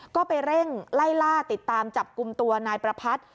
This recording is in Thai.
ก็ไปเร่งไล่ล่าติดตามจับกลุ่มตัวนายประพัทธ์